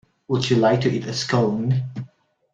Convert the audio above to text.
Would you like to eat a Scone?